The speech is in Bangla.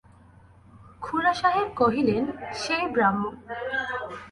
খুড়াসাহেব কহিলেন, সেই ব্রাহ্মণ!